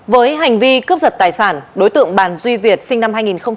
với hành vi cướp giật tài sản đối tượng bàn duy việt sinh năm hai nghìn